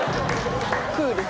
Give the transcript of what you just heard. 「クール」